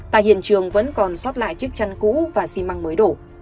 tại hiện trường vẫn còn sót lại chiếc chăn cũ và xi măng mới đổ